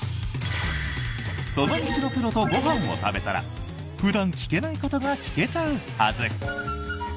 その道のプロとご飯を食べたら普段、聞けないことが聞けちゃうはず。